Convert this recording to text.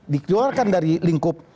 dikeluarkan dari lingkup